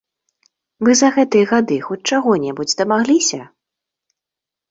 Вы за гэтыя гады хоць чаго-небудзь дамагліся?